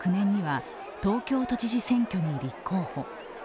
１９９９年には東京都知事選挙に立候補。